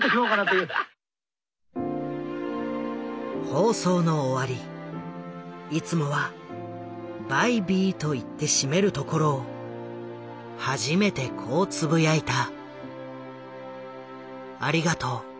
放送の終わりいつもは「バイ・ビー」と言って締めるところを初めてこうつぶやいた。